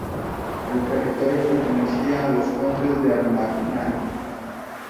El territorio pertenecía a los condes de Armagnac.